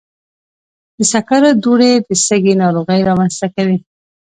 د سکرو دوړې د سږي ناروغۍ رامنځته کوي.